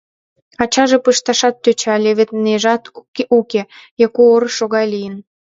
Ачаже пышташат тӧча, леведнежат — уке, Яку орышо гай лийын.